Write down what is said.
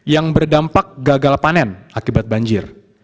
yang berdampak gagal panen akibat banjir